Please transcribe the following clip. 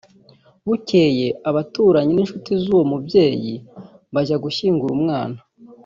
bukeye abaturanyi n’inshuti z’uwo mubyeyi bajya gushyingura umwana